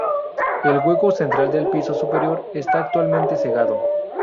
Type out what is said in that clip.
El hueco central del piso superior está actualmente cegado.